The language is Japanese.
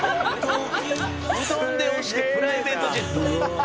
「うどんで押してプライベートジェット」